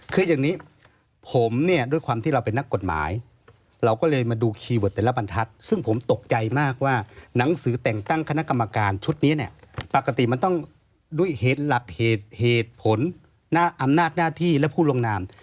คืออย่างนี้ผมเนี่ยด้วยความที่เราเป็นนักกฎหมายเราก็เลยมาดูคีย์เวิร์ดแต่ละบรรทัศน์ซึ่งผมตกใจมากว่าหนังสือแต่งตั้งคณะกรรมการชุดนี้เนี่ยปกติมันต้องด้วยเหตุหลักเหตุเหตุผลอำนาจหน้าที่และผู้ลงนาม